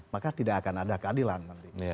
maka tidak akan ada keadilan nanti